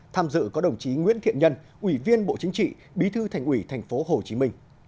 tham dự có đồng chí nguyễn thiện nhân ủy viên bộ chính trị bí thư thành ủy tp hcm